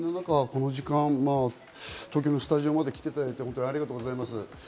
この時間に東京のスタジオまで来ていただいてありがとうございます。